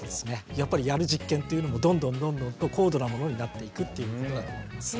やっぱりやる実験っていうのもどんどんどんどんと高度なものになっていくっていうことだと思います。